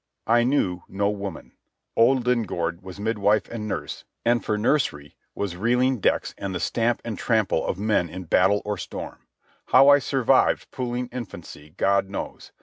I knew no woman. Old Lingaard was midwife and nurse, and for nursery were reeling decks and the stamp and trample of men in battle or storm. How I survived puling infancy, God knows.